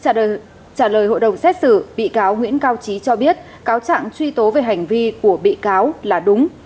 trả lời hội đồng xét xử bị cáo nguyễn cao trí cho biết cáo trạng truy tố về hành vi của bị cáo là đúng